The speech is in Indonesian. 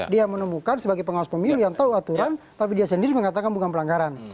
dia menemukan sebagai pengawas pemilu yang tahu aturan tapi dia sendiri mengatakan bukan pelanggaran